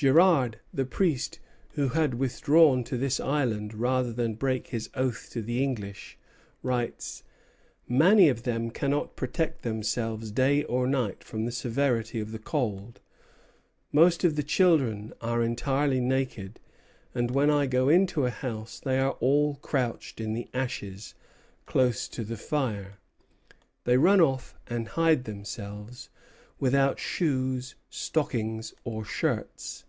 Girard, the priest who had withdrawn to this island rather than break his oath to the English, writes: "Many of them cannot protect themselves day or night from the severity of the cold. Most of the children are entirely naked; and when I go into a house they are all crouched in the ashes, close to the fire. They run off and hide themselves, without shoes, stockings, or shirts.